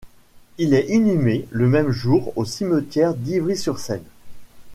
Il est inhumé le même jour au cimetière d'Ivry-sur-Seine.